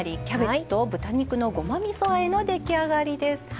キャベツと豚肉のごまみそあえのでき上がりです。